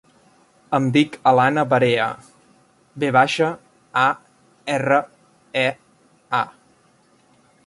Em dic Alana Varea: ve baixa, a, erra, e, a.